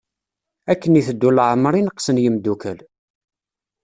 Akken iteddu leɛmer i neqqsen yemdukal.